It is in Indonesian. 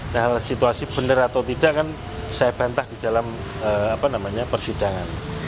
nah situasi benar atau tidak kan saya bantah di dalam persidangan